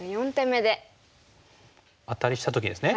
アタリした時ですね。